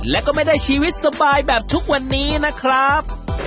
และก็ไม่ได้ชีวิตสบายแบบทุกวันนี้นะครับ